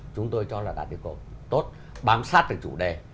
chúng tôi cho là đạt được tốt bám sát được chủ đề